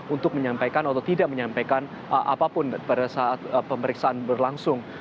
untuk menyampaikan atau tidak menyampaikan apapun pada saat pemeriksaan berlangsung